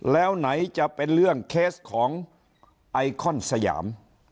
แล้วไหนจะเป็นเรื่องเคสของไอคอนสยาม